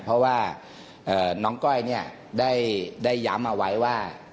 เพราะว่าน้องก้อยได้ย้ำเอาไว้ว่า